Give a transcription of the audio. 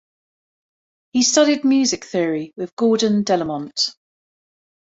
He studied music theory with Gordon Delamont.